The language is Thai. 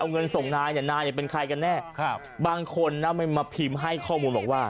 เอาเงินส่งนายเนี่ยนายเป็นใครกันแน่บางคนนะไม่มาพิมพ์ให้ข้อมูลบอกว่า